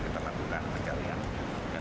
kita lakukan pencarian